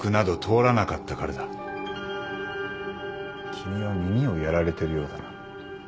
君は耳をやられてるようだな。